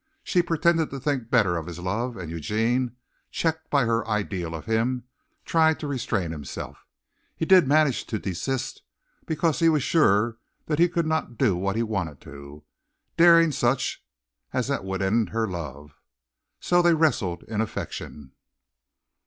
She pretended to think better of his love, and Eugene, checked by her ideal of him, tried to restrain himself. He did manage to desist because he was sure that he could not do what he wanted to. Daring such as that would end her love. So they wrestled in affection.